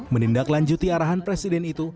menindaklanjuti arahan presiden itu